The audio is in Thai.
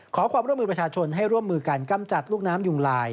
ขอความร่วมมือประชาชนให้ร่วมมือกันกำจัดลูกน้ำยุงลาย